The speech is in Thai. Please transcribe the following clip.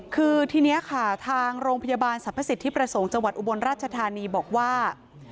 คือทีนี้ค่ะทางโรงพยาบาลสรรพสิทธิประสงค์จังหวัดอุบลราชธานีบอกว่า